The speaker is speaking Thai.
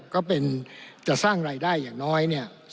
ก็เป็นจะสร้างรายได้อย่างน้อยเนี่ย